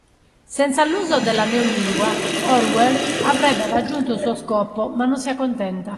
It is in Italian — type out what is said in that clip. Senza l'uso della Neolingua, Orwell avrebbe raggiunto il suo scopo ma non si accontenta